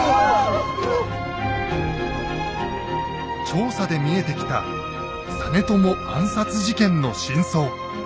調査で見えてきた実朝暗殺事件の真相。